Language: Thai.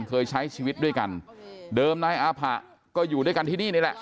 เคยใช้ชีวิตด้วยกันเดิมนายอาผะก็อยู่ด้วยกันที่นี่นี่แหละ